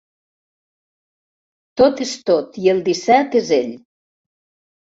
Tot és tot i el disset és ell.